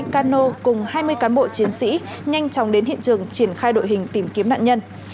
cano cùng hai mươi cán bộ chiến sĩ nhanh chóng đến hiện trường triển khai đội hình tìm kiếm nạn nhân